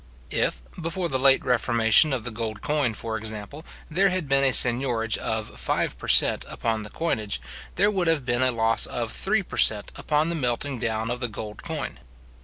If, before the late reformation of the gold coin, for example, there had been a seignorage of five per cent. upon the coinage, there would have been a loss of three per cent. upon the melting down of the gold coin.